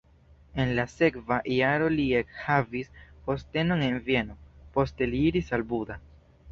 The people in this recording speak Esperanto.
En la sekva jaro li ekhavis postenon en Vieno, poste li iris al Buda.